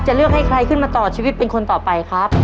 เลือกให้ใครขึ้นมาต่อชีวิตเป็นคนต่อไปครับ